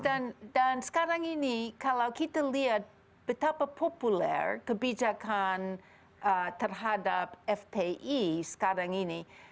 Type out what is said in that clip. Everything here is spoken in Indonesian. sekarang ini kalau kita lihat betapa populer kebijakan terhadap fpi sekarang ini